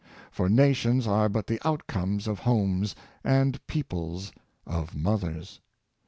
For nations are but the outcomes of homes, and peoples of mothers.